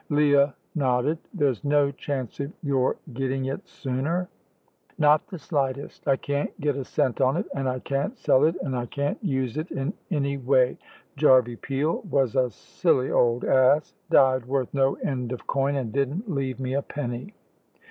Leah nodded. "There's no chance of your getting it sooner?" "Not the slightest. I can't get a cent on it, and I can't sell it, and I can't use it in any way. Jarvey Peel was a silly old ass. Died worth no end of coin, and didn't leave me a penny."